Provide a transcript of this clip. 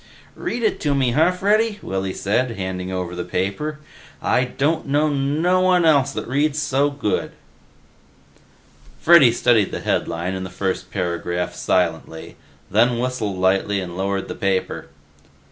"Read it to me, huh, Freddy," Willy said, handing over the paper. "I don't know no one else that reads so good." Freddy studied the headline and the first paragraph silently, then whistled lightly and lowered the paper.